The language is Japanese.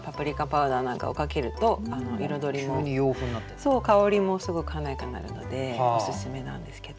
そう香りもすごく華やかになるのでおすすめなんですけど。